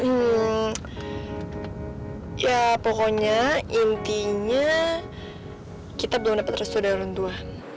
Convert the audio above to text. hmm ya pokoknya intinya kita belum dapat restu dari orang tua